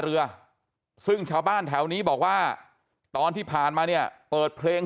เรือซึ่งชาวบ้านแถวนี้บอกว่าตอนที่ผ่านมาเนี่ยเปิดเพลง